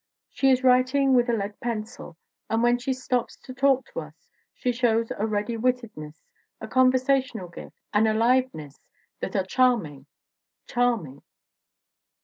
She is writing with a lead pencil and when she stops to talk to us she shows a ready wittedness, a conversational gift, an aliveness that are charming charming!